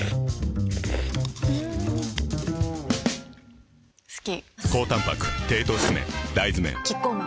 ん好き！